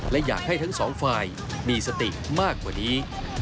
และอยากให้ทั้งสองฝ่ายมีสติมากกว่านี้